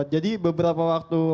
jadi beberapa waktu